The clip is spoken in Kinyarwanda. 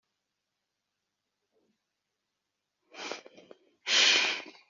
ndatsinda neza nkomeza secondary mfashwa na farg